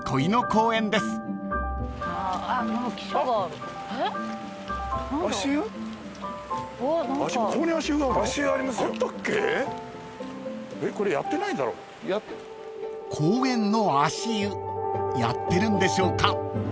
［公園の足湯やってるんでしょうか？］